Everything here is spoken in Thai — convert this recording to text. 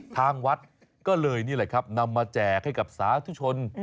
ทางวัดก็เลยนี่แหละครับนำมาแจกให้กับสาธุชน